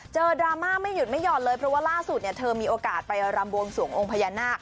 เจอดราม่าไม่หยุดไม่หยอดเลยเพราะว่าล่าสุดเธอมีโอกาสไปรามบวงส่วงองค์พญาณหน้า